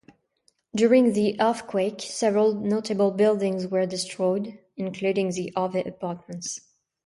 During the earthquake, several notable buildings were destroyed, including the Harvey Apartments.